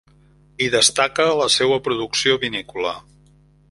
Hi destaca la seua producció vinícola.